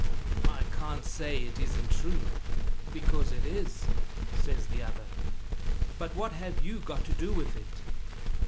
"I can't say it isn't true, because it is," says the other; "but what have you got to do with it?"